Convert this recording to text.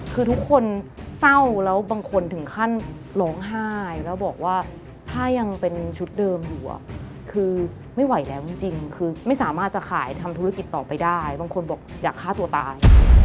คือทุกคนเศร้าแล้วบางคนถึงขั้นร้องไห้แล้วบอกว่าถ้ายังเป็นชุดเดิมอยู่คือไม่ไหวแล้วจริงคือไม่สามารถจะขายทำธุรกิจต่อไปได้บางคนบอกอยากฆ่าตัวตาย